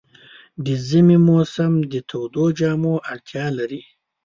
د ژمي موسم د تودو جامو اړتیا لري.